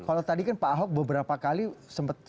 kalau tadi kan pak ahok beberapa kali sempat